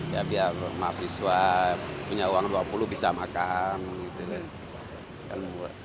ya biar mahasiswa punya uang dua puluh bisa makan gitu kan